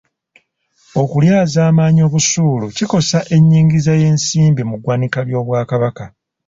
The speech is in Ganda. Okulyazaamaanya obusuulu kikosa ennyingiza y'ensimbi mu ggwanika ly’Obwakabaka.